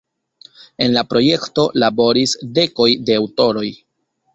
En la projekto laboris dekoj de aŭtoroj.